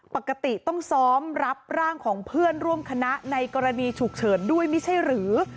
ปกติต้องซ้อมรับร่างของเพื่อนร่วมคณะในกรณีฉุกเฉินด้วยไม่ใช่หรือ